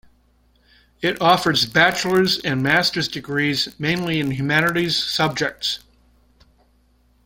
It offers bachelor's and master's degrees, mainly in humanities subjects.